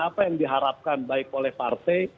apa yang diharapkan baik oleh partai